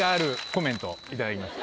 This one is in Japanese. コメント頂きました。